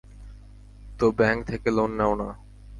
তো ব্যাংক থেকে লোন নেও না।